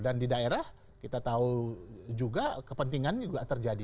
dan di daerah kita tahu juga kepentingan juga terjadi